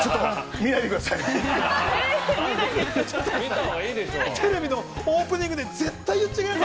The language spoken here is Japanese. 見ないでくださいは。